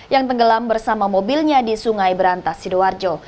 yang tenggelam bersama mobilnya di sungai berantas sidoarjo